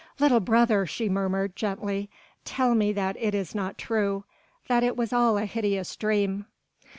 "Little brother," she murmured gently, "tell me that it is not true. That it was all a hideous dream."